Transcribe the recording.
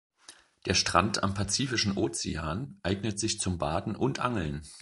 Der Strand am Pazifischen Ozean eignet sich zum Baden und Angeln.